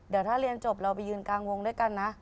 เดี๋ยวถ้าเรียนจบเราไปยืนกลางวงด้วยกันนะ